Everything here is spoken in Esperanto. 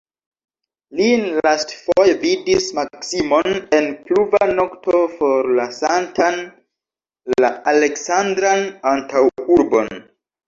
Ni lastfoje vidis Maksimon en pluva nokto forlasantan la Aleksandran antaŭurbon.